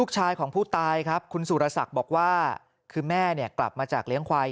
คือแม่นี้กลับมาจากเลี้ยงควาย